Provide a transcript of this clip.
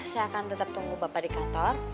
saya akan tetap tunggu bapak di kantor